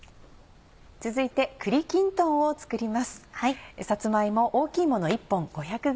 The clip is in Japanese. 続いて栗きんとんを作ります。